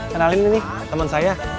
kenalin nih temen saya